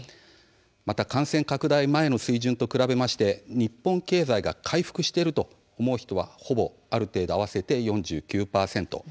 また感染拡大前の水準に比べまして日本経済が回復していると思う人はほぼ、ある程度、合わせて４９％。